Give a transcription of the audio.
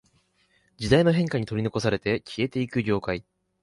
時代の変化に取り残されて消えていく業界